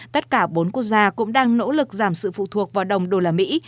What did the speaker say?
tất cả bốn quốc gia cũng đang nỗ lực giảm sự phụ thuộc vào đồng đô la mỹ